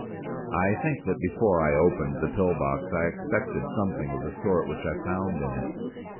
I think that before I opened the pill box I expected something of the sort which I found in it.